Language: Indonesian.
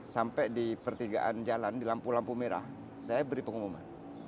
sampai di pertigaan jalan di lampu lampu merah saya beri pengumuman